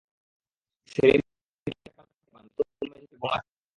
সেলিম টাকা লোড দিয়ে এসে দেখতে পান রুস্তম মেঝেতে পড়ে গোঙাচ্ছেন।